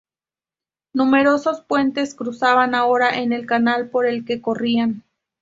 Numerosos puentes cruzaban ahora el canal por el que corría.